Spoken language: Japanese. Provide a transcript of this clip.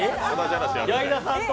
矢井田さんと？